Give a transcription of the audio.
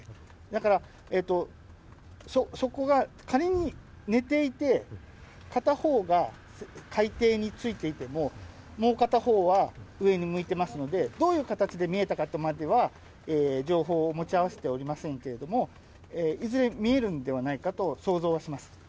だから、底が、仮に寝ていて、片方が海底についていても、もう片方は上に向いていますので、どういう形で見えたかとまでは、情報を持ち合わせておりませんけれども、いずれ見えるんではないかと想像はします。